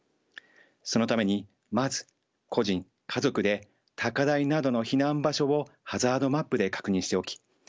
そのためにまず個人家族で高台などの避難場所をハザードマップで確認しておき